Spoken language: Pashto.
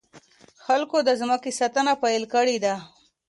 خلکو د ځمکې ساتنه پيل کړې ده.